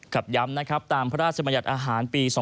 ครับย้ำนะครับตามพระราชมะยัดอาหารปี๒๕๒๒